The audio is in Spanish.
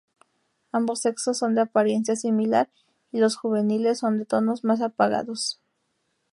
Ambos sexos son de apariencia similar, y los juveniles son de tonos más apagados.